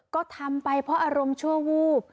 ก็ทำไปเพราะอารมณ์ชั่ววูบ